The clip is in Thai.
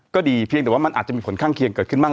ก็ดีเพียงแต่ว่ามันอาจจะมีผลข้างเคียงเกิดขึ้นบ้าง